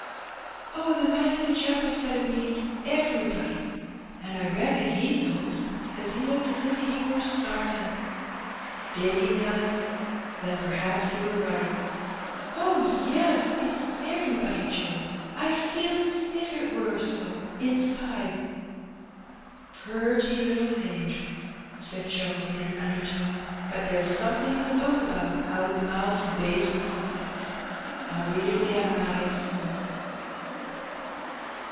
) "Oh, the man in the chapel said it meaned ^very* ^ In which Joe Wrag has a Vision. 81 ody, an' I reckon he knows, 'cause lie looked as if he nr sartin/' *^ Did he, Nelly ? Then perhaps he wur right/' '* Oh, yes, it's everybody, Joe. I feels as if it wur so iside." ^^Purty little hangel!" said Joe, in an undertone. '^But lere is somethin' in the Book about 'out of the mouths f babes an' sucklings.' I'll read it again when I gets ome."